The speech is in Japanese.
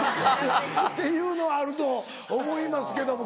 っていうのはあると思いますけども。